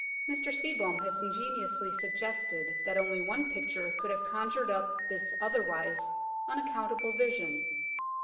Mr Seebohm has ingeniously suggested that only one picture could have conjured up this otherwise unaccountable vision.